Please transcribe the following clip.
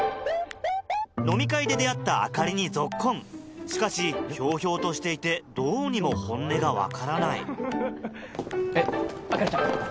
飲み会で出会った朱里にぞっこんしかし飄々としていてどうにも本音が分からないえっ朱里ちゃん。